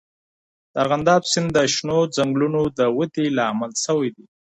د ارغنداب سیند د شنو ځنګلونو د ودې لامل سوی دی.